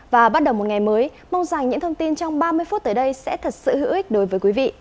và bắt đầu một ngày mới mong rằng những thông tin trong ba mươi phút tới đây sẽ thật sự hữu ích đối với quý vị